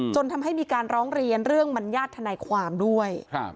จนทำให้มีการร้องเรียนเรื่องมัญญาติทนายความด้วย